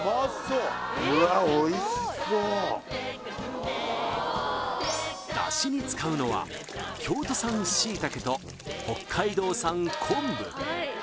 うわっおいしそう出汁に使うのは京都産椎茸と北海道産昆布